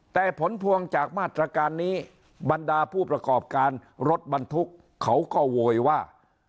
แต่ผลพวงจากมาตรการนี้บรรดาผู้ประกอบการรถบรรทุกเขาก็โวยว่า